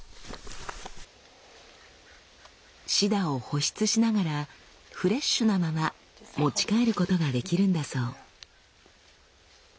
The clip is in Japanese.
シダを保湿しながらフレッシュなまま持ち帰ることができるんだそう。